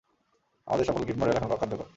আমাদের সকল grid model এখন অকার্যকর।